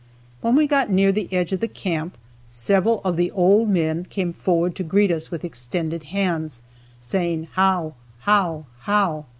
When we got near the edge of the camp several of the old men came forward to greet us with extended hands, saying "how! how! how!"